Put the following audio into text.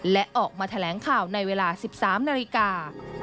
และออกมาแถลงข่าวในเวลา๑๓นาฬิกา